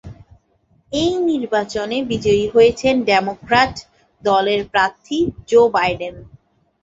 এই নির্বাচনে বিজয়ী হয়েছেন ডেমোক্র্যাট দলের প্রার্থী জো বাইডেন।